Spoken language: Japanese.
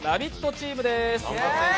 チームです。